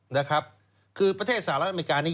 นะครับคือประเทศสหรัฐอเมริกานี้